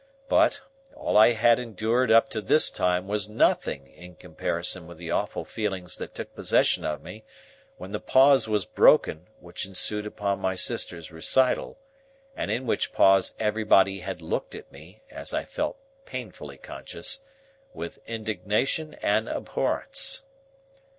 But, all I had endured up to this time was nothing in comparison with the awful feelings that took possession of me when the pause was broken which ensued upon my sister's recital, and in which pause everybody had looked at me (as I felt painfully conscious) with indignation and abhorrence.